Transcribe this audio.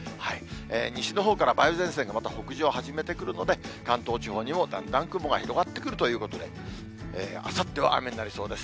西のほうから梅雨前線がまた北上を始めてくるので、関東地方にもだんだん雲が広がってくるということで、あさっては雨になりそうです。